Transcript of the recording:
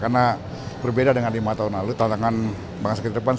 karena berbeda dengan lima tahun lalu tantangan bangsa ke depan sangat